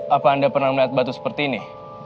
apa anda pernah melihat batu seperti ini